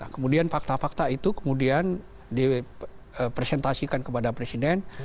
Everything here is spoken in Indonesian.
kemudian fakta fakta itu kemudian dipresentasikan kepada presiden